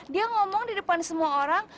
dia ngomong di depan semua orang